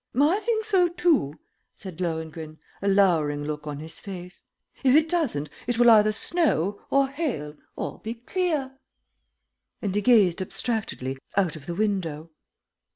"I think so, too," said Lohengrin, a lowering look on his face. "If it doesn't, it will either snow, or hail, or be clear." And he gazed abstractedly out of the window.